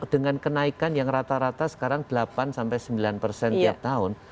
dengan kenaikan yang rata rata sekarang delapan sembilan persen tiap tahun